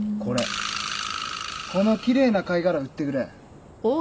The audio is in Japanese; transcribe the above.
この奇麗な貝殻売ってくれ。